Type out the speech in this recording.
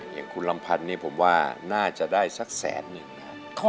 อย่างคุณลำพันธ์นี่ผมว่าน่าจะได้สักแสนหนึ่งนะครับ